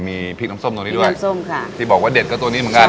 มีพริกน้ำส้มตัวนี้ด้วยส้มค่ะที่บอกว่าเด็ดก็ตัวนี้เหมือนกัน